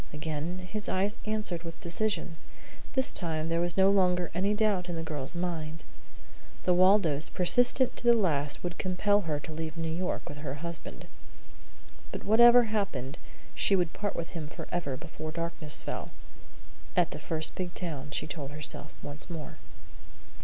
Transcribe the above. Again his eyes answered with decision. This time there was no longer any doubt in the girl's mind. The Waldos, persistent to the last, would compel her to leave New York with her husband. But whatever happened she would part with him forever before darkness fell. "At the first big town," she told herself once more.